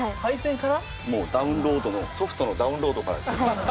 もうダウンロードのソフトのダウンロードからっていうか。